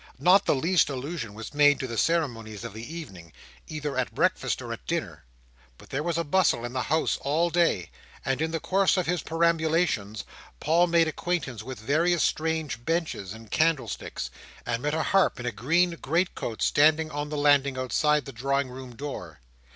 Not the least allusion was made to the ceremonies of the evening, either at breakfast or at dinner; but there was a bustle in the house all day, and in the course of his perambulations, Paul made acquaintance with various strange benches and candlesticks, and met a harp in a green greatcoat standing on the landing outside the drawing room door.